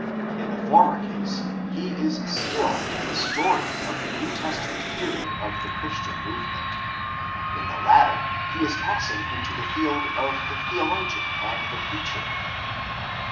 In the former case he is still the historian of the New Testament period of the Christian movement; in the latter he is passing into the field of the theologian and the preacher.